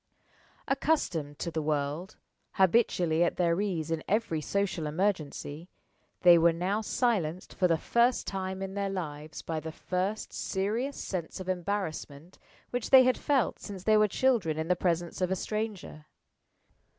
Accustomed to the world, habitually at their ease in every social emergency, they were now silenced for the first time in their lives by the first serious sense of embarrassment which they had felt since they were children in the presence of a stranger.